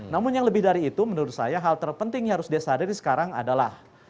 namun yang lebih dari itu menurut saya hal terpenting yang harus dia sadari sekarang adalah